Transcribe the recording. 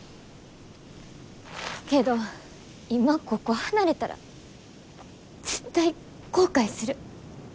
けど今ここ離れたら絶対後悔する。